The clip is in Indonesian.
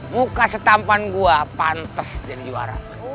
muka setampan gua pantas jadi juara